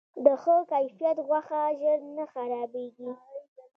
د ښه کیفیت غوښه ژر نه خرابیږي.